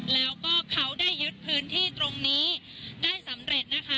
แล้วก็เขาได้ยึดพื้นที่ตรงนี้ได้สำเร็จนะคะ